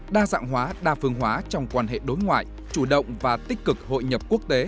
đa dạng hóa đa phương hóa trong quan hệ đối ngoại chủ động và tích cực hội nhập quốc tế